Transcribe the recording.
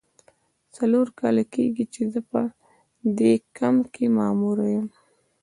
څلور کاله کیږي چې زه په دې کمپ کې ماموره یم.